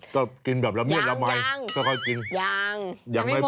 ก็กินแบบละเมียดละมายก็คอยกินยังยัง